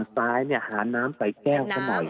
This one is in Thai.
ซ้ายเนี่ยหาน้ำใส่แก้วขนาดอยู่